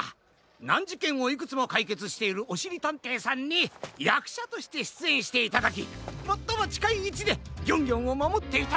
なんじけんをいくつもかいけつしているおしりたんていさんにやくしゃとしてしゅつえんしていただきもっともちかいいちでギョンギョンをまもっていただく！